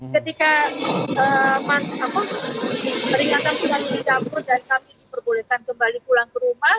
ketika manapun peringatan sudah ditampur dan kami diperbolehkan kembali pulang ke rumah